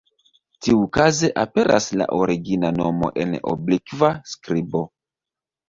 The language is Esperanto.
Tiukaze aperas la origina nomo en oblikva skribo.